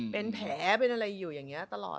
เป็นแผลเป็นอะไรอยู่อย่างนี้ตลอด